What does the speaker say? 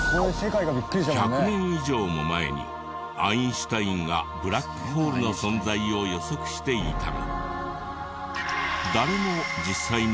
１００年以上も前にアインシュタインがブラックホールの存在を予測していたが。